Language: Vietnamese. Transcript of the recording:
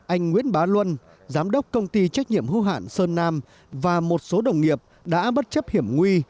anh nguyễn bá luân giám đốc công ty trách nhiệm hưu hạn sơn nam và một số đồng nghiệp đã bất chấp hiểm nguy